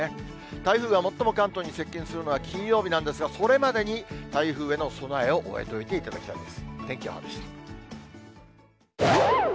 台風が最も関東に接近するのは、金曜日なんですが、それまでに台風への備えを終えといていただきたいです。